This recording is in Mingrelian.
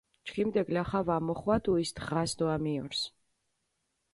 ჩქიმდე გლახა ვა მოხვადუ ის დღას დო ამიორს!